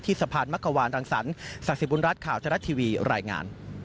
ที่สะพานมักกะวานรังสรรศักดิ์สิบุญรัฐข่าวชรัฐทีวีรายงาน